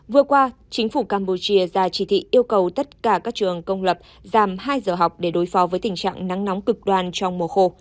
vừa qua chính phủ campuchia ra chỉ thị yêu cầu tất cả các trường công lập giảm hai giờ học để đối phó với tình trạng nắng nóng cực đoan trong mùa khô